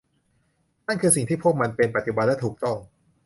นั่นคือสิ่งที่พวกมันเป็น ปัจจุบันและถูกต้อง